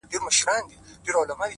دا غرونه غرونه پـه واوښـتـل ـ